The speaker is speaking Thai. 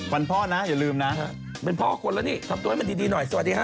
พ่อนะอย่าลืมนะเป็นพ่อคนแล้วนี่ทำตัวให้มันดีหน่อยสวัสดีฮ